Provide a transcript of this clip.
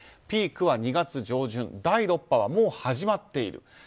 ピークは２月上旬第６波はもう始まっている。